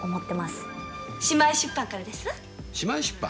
姉妹出版からですわ。